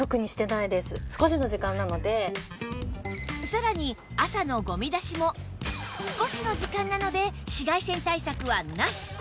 さらに朝のゴミ出しも少しの時間なので紫外線対策はなし！